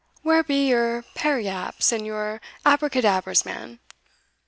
Where be your periapts, and your abracadabras man?